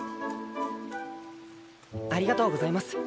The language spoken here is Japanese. ありがとうございます。